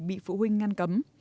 bị phụ huynh ngăn cấm